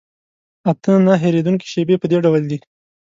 اته نه هېرېدونکي شیبې په دې ډول دي.